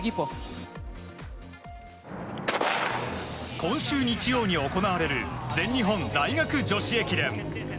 今週日曜に行われる全日本大学女子駅伝。